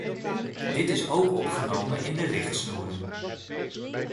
Dit is ook opgenomen in de richtsnoeren.